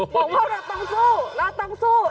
ผมว่าเราต้องสู้เราต้องสู้